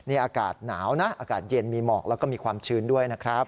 นี่อากาศหนาวนะอากาศเย็นมีหมอกแล้วก็มีความชื้นด้วยนะครับ